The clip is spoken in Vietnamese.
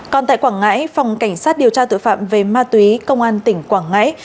còn tại quảng ngãi phòng cảnh sát điều tra tội phạm về ma túy công an tỉnh quảng ngãi